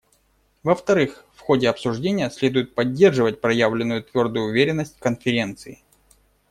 Во-вторых, в ходе обсуждения следует поддерживать проявленную твердую уверенность в Конференции.